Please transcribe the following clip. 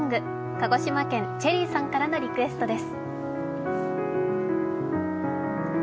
鹿児島県、チェリーさんからのリクエストです。